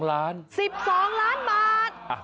๑๒ล้านบาท